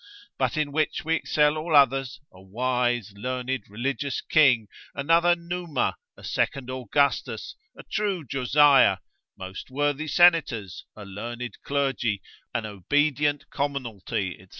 But in which we excel all others, a wise, learned, religious king, another Numa, a second Augustus, a true Josiah; most worthy senators, a learned clergy, an obedient commonalty, &c.